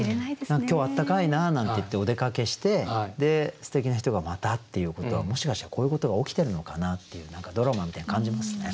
「今日暖かいな」なんて言ってお出かけしてすてきな人がまたっていうことはもしかしたらこういうことが起きてるのかなっていう何かドラマみたいなの感じますね。